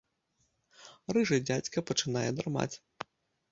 Рыжы дзядзька пачынае драмаць.